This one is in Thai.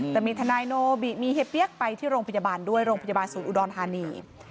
แต่มีทนายโนบิมีเฮียเปี๊ยกไปที่โรงพยาบาลด้วยโรงพยาบาลศูนย์อุดรธานี